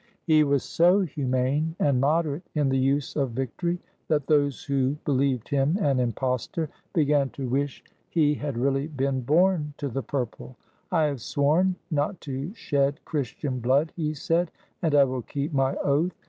He was so humane and moderate in the use of victory, that those who believed him an impostor began to wish 69 RUSSIA he had really been born to the purple. "I have sworn not to shed Christian blood," he said; "and I will keep my oath.